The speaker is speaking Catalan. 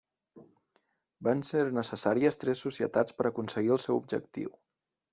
Van ser necessàries tres societats per aconseguir el seu objectiu.